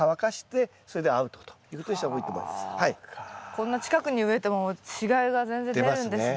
こんな近くに植えても違いが全然出るんですね。